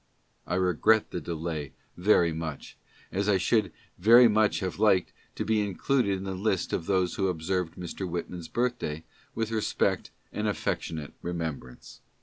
I regret the delay very much, .... as I should very much have liked to be included in the list of those who observed Mr. Whitman's birthday with respect and affectionate remembrance.